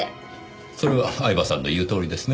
それは饗庭さんの言うとおりですね。